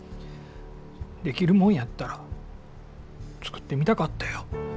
できるもんやったら作ってみたかったよ。